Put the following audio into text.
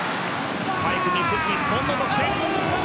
スパイクミス、日本の得点。